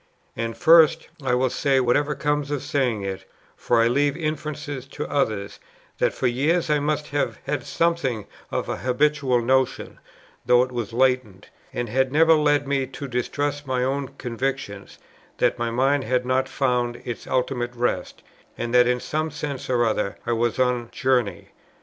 And first, I will say, whatever comes of saying it, for I leave inferences to others, that for years I must have had something of an habitual notion, though it was latent, and had never led me to distrust my own convictions, that my mind had not found its ultimate rest, and that in some sense or other I was on journey.